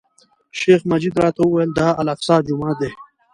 شیخ مجید راته وویل، دا الاقصی جومات دی.